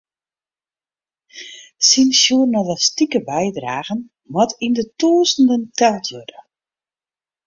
Syn sjoernalistike bydragen moat yn de tûzenen teld wurde.